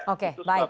oke baik baik